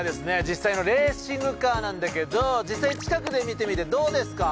実際のレーシングカーなんだけど実際近くで見てみてどうですか？